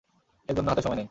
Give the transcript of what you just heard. এর জন্য হাতে সময় নেই।